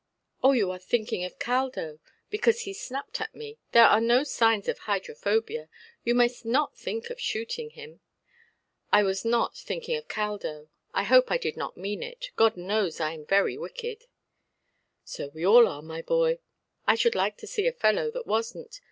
"Oh, you are thinking of Caldo, because he snapped at me. There are no signs of hydrophobia. You must not think of shooting him". "I was not thinking of Caldo. I hope I did not mean it. God knows, I am very wicked". "So we are all, my boy. I should like to see a fellow that wasnʼt.